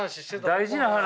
大事な話？